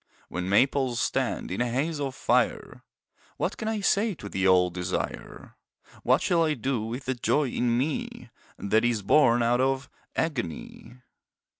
When maples stand in a haze of fire What can I say to the old desire, What shall I do with the joy in me That is born out of agony?